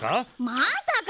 まさか！